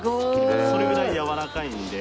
それぐらいやわらかいので。